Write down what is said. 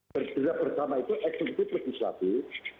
bergerak bersama itu eksekutif legislatif